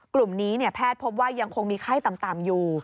กลุ่มนี้แพทย์พบว่ายังคงมีไข้ต่ำอยู่